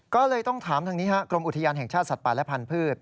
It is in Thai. ก็เลยต้องถามทางนี้กรมอุทยานแห่งชาติสัตว์ป่าและพันธุ์